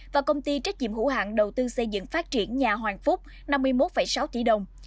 và công ty trách nhiệm hữu hạng đầu tư xây dựng phát triển nhà hoàng phúc năm mươi một sáu tỷ đồng